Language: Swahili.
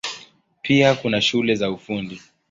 Pia kuna shule za Ufundi.